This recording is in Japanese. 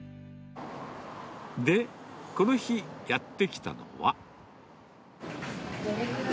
で、この日、やって来たのは。